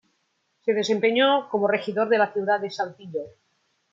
Se desempeñó como regidor de la ciudad de Saltillo.